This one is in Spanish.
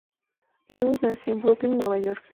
Lewis nació en Brooklyn, Nueva York.